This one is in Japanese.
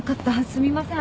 すみません。